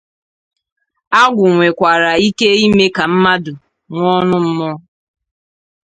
Agwụ nwèkwàrà ike ime ka mmadụ nwee ọnụ mmụọ